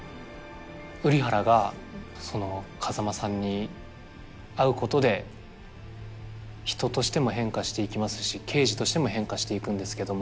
瓜原が風間さんに会うことで人としても変化していきますし刑事としても変化していくんですけども。